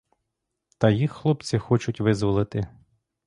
Та їх хлопці хочуть визволити.